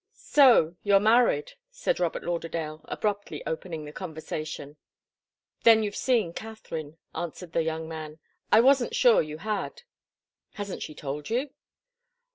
"So you're married," said Robert Lauderdale, abruptly opening the conversation. "Then you've seen Katharine," answered the young man. "I wasn't sure you had." "Hasn't she told you?"